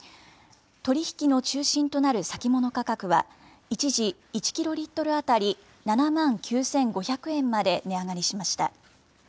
取り引きの中心となる先物価格は、一時、１キロリットル当たり７万９５００円まで値上がりしました。